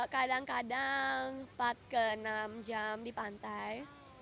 kadang kadang empat ke enam jam di pantai